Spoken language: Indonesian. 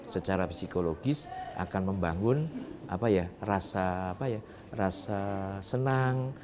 secara psikologis akan membangun rasa senang